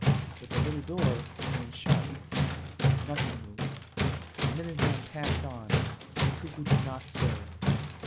But the little door remained shut. Nothing moved. The minute hand passed on and the cuckoo did not stir.